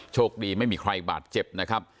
โชคดีไม่มีใครบาดเจ็บนะครับ